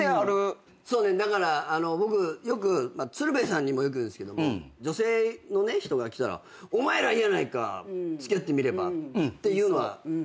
そうねだから僕よく鶴瓶さんにもよく言うんですけども女性の人が来たら「お前らいいやないか」「付き合ってみれば」って言うのは。